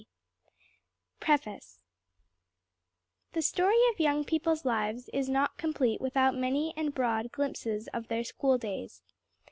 _ PREFACE The story of young people's lives is not complete without many and broad glimpses of their school days.